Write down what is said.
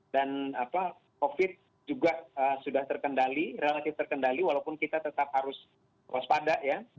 dan covid juga sudah terkendali relatif terkendali walaupun kita tetap harus waspada ya